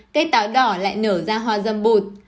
cây táo đỏ lại nở ra hoa dâm bụt